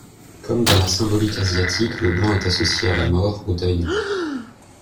Comme dans la symbolique asiatique, le blanc est associé à la mort, au deuil.